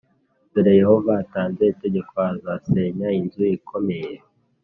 Dore Yehova atanze itegeko azasenya inzu ikomeye